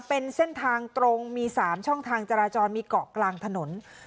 เป็นเส้นทางตรงมี๓ช่องทางจราจรมีเกาะกลางถนน